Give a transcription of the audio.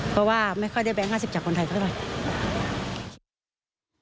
เพราะว่าไม่ค่อยได้แบงค์๕๐จากคนไทยเท่าไหร่